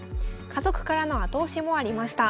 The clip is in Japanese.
家族からの後押しもありました。